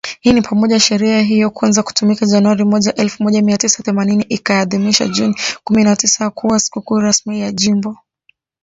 Hii ni pamoja sheria hiyo kuanza kutumika Januari moja, elfu moja mia tisa themanini ikiadhmisha Juni kumi na tisa kuwa sikukuu rasmi ya jimbo